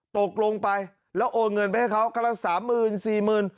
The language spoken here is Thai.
ตกลงไปแล้วโอนเงินไปให้เขาครั้งละสามหมื่นสี่หมื่น